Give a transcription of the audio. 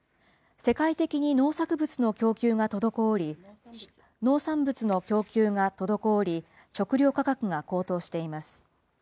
世界的に農作物の供給が滞り、農産物の供給が滞り、食料価格が高騰しています。